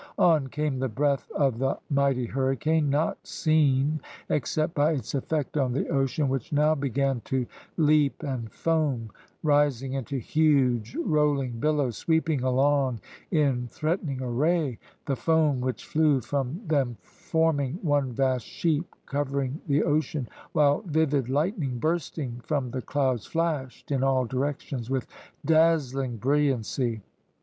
On came the breath of the mighty hurricane, not seen except by its effect on the ocean, which now began to leap and foam, rising into huge rolling billows, sweeping along in threatening array; the foam which flew from them forming one vast sheet covering the ocean, while vivid lightning bursting from the clouds flashed in all directions with dazzling brilliancy.